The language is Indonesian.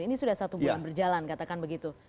ini sudah satu bulan berjalan katakan begitu